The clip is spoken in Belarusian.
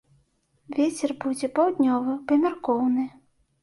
Вецер будзе паўднёвы, памяркоўны.